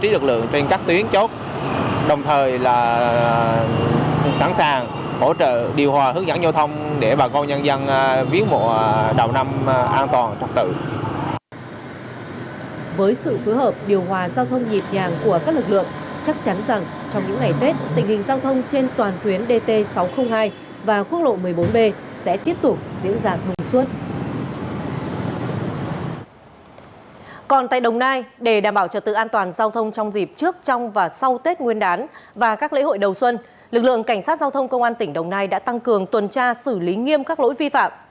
lực lượng cảnh sát giao thông công an tỉnh đồng nai đã tăng cường tuần tra xử lý nghiêm các lỗi vi phạm